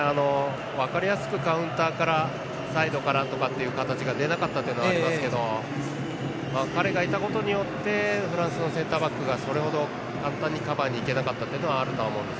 分かりやすくカウンターからサイドからという形が出なかったというのはありますが彼がいたことによってフランスのセンターバックがそれほど簡単にカバーにいけなかったというのはあると思います。